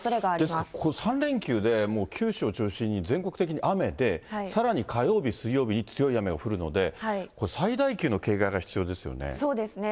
ですからこの３連休で、もう九州を中心に全国的に雨で、さらに火曜日、水曜日に強い雨が降るので、これ、そうですね。